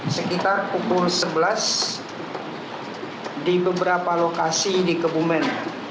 sekitar pukul sebelas di beberapa lokasi di kebumen